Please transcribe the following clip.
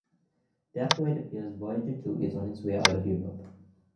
Therefore, it appears Voyager too is on its way out of Europe.